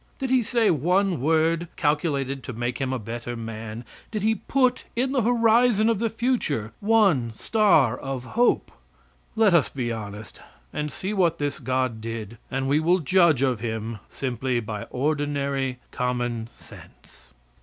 Did He say one word calculated to make him a better man? Did He put in the horizon of the future one star of hope? Let us be honest, and see what this God did, and we will judge of Him simply by ordinary common sense.